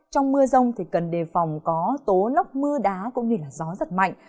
trong mưa rông cần đề phòng có tố lóc mưa đá cũng như gió rất mạnh